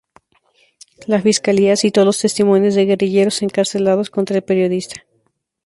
La fiscalía citó los testimonios de guerrilleros encarcelados contra el periodista.